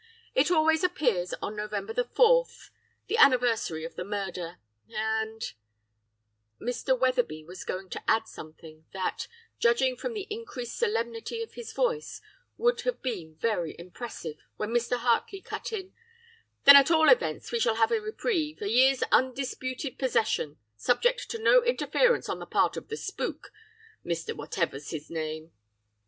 It always appears on November 4, the anniversary of the murder, and ' Mr. Wetherby was going to add something that, judging from the increased solemnity of his voice, would have been very impressive, when Mr. Hartley cut in: 'Then at all events we shall have a reprieve, a year's undisputed possession, subject to no interference on the part of the spook Mr. Whatever's his name.